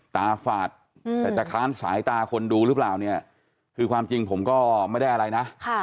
ฝาดแต่จะค้านสายตาคนดูหรือเปล่าเนี่ยคือความจริงผมก็ไม่ได้อะไรนะ